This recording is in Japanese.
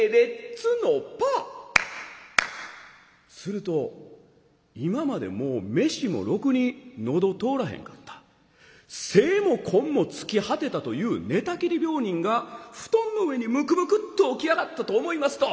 すると今までもう飯もろくに喉通らへんかった精も根も尽き果てたという寝たきり病人が布団の上にむくむくっと起き上がったと思いますと。